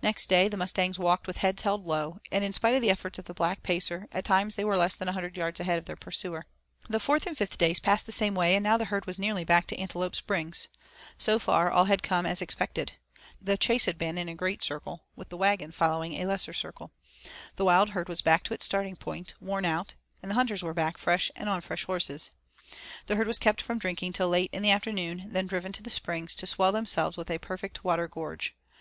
Next day the mustangs walked with heads held low, and in spite of the efforts of the Black Pacer at times they were less than a hundred yards ahead of their pursuer. The fourth and fifth days passed the same way, and now the herd was nearly back to Antelope Springs. So far all had come out as expected. The chase had been in a great circle with the wagon following a lesser circle. The wild herd was back to its starting point, worn out; and the hunters were back, fresh and on fresh horses. The herd was kept from drinking till late in the afternoon and then driven to the Springs to swell themselves with a perfect water gorge.